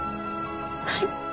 はい。